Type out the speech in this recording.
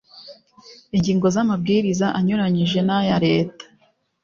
ingingo z amabwiriza anyuranyije n aya leta